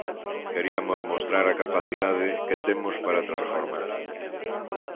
Queriamos mostrar a capacidade que temos para transformar.